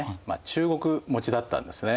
中国持ちだったんですね。